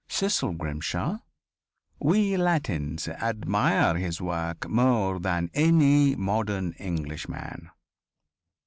"Cecil Grimshaw ... We Latins admire his work more than that of any modern Englishman."